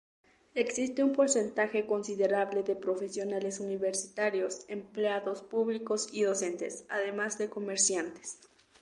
Existen un porcentaje considerable de profesionales universitarios, empleados públicos y docentes, además de comerciantes.